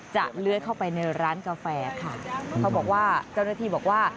จะเลื้อยเข้าไปในร้านกาแฟค่ะเจ้าหน้าที่บอกว่า